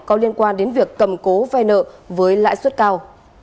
có liên quan đến việc cầm cố vay nợ với lãi suất cao